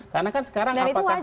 karena kan sekarang